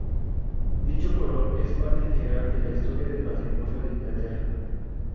Dicho color es parte integral de la historia del patrimonio de Inglaterra.